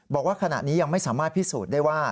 บอกว่าขณะนี้ยังไม่สามารถพิสูจน์ได้ว่า